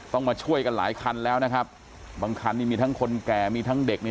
มาช่วยกันหลายคันแล้วนะครับบางคันนี่มีทั้งคนแก่มีทั้งเด็กนี่